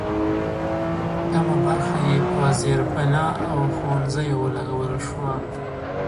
کمه برخه یې پر زېربنا او ښوونځیو ولګول شوه.